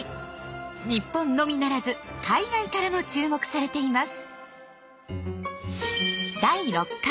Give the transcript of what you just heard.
日本のみならず海外からも注目されています。